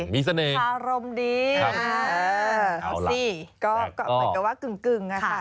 มีเสน่ห์คารมดีครับเออ๔ก็เหมือนกับว่ากึ่งค่ะ